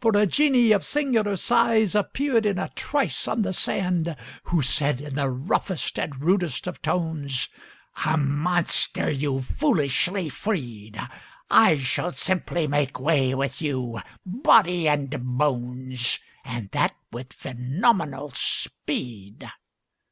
For a genie of singular size Appeared in a trice on the sand, Who said in the roughest and rudest of tones: "A monster you've foolishly freed! I shall simply make way with you, body and bones, And that with phenomenal speed!"